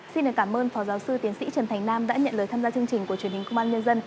xin cảm ơn phó giáo sư tiến sĩ trần thành nam đã nhận lời tham gia chương trình của truyền hình công an nhân dân